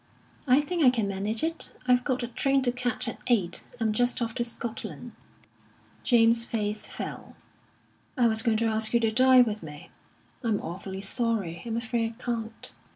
"I think I can manage it. I've got a train to catch at eight; I'm just off to Scotland." Jamie's face fell. "I was going to ask you to dine with me." "I'm awfully sorry! I'm afraid I can't."